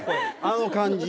あの感じ。